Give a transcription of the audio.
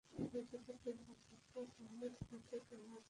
মসজিদের পূর্বদিকের সম্মুখভাগে প্যানেলগুলি এখন আর দেখা যায় না।